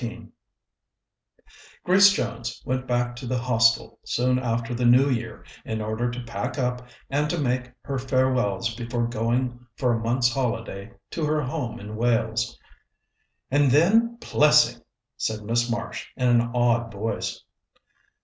XIX Grace Jones went back to the Hostel soon after the New Year in order to pack up and to make her farewells before going for a month's holiday to her home in Wales. "And then Plessing!" said Miss Marsh in an awed voice.